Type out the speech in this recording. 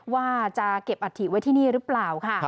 ว่าจะเก็บอัฐิไว้ที่นี่หรือเปล่าค่ะ